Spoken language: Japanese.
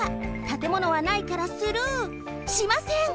たてものはないからスルーしません！